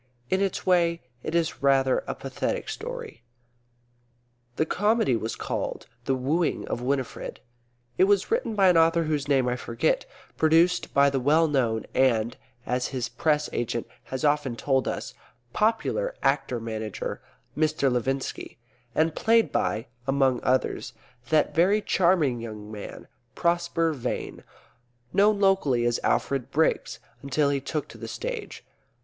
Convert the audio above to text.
In its way it is rather a pathetic story. The comedy was called "The Wooing of Winifred." It was written by an author whose name I forget; produced by the well known and (as his press agent has often told us) popular actor manager, Mr. Levinski; and played by (among others) that very charming young man, Prosper Vane known locally as Alfred Briggs until he took to the stage.